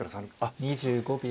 ２５秒。